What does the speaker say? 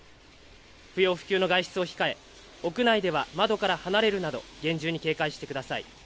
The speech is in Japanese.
不要不急の外出を控え屋内では窓から離れるなど厳重に警戒してください。